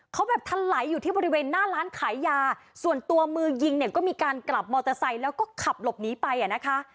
เขาแบบทันไหลอยู่ที่บริเวณหน้าร้านขายยาส่วนตัวมือยิงเนี่ยก็มีการกลับมอเตอร์ไซค์แล้วก็ขับหลบหนีไปอ่ะนะคะ